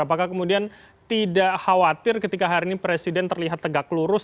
apakah kemudian tidak khawatir ketika hari ini presiden terlihat tegak lurus